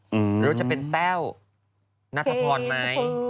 หรือจะเป็นแต้วนัทพรไหม